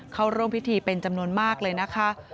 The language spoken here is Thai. เข้าร่วมพิธีเป็นจำนวนมากเลยนะคะ